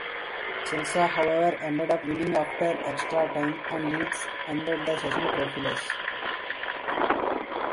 Chelsea, however, ended up winning after extra time and Leeds ended the season trophyless.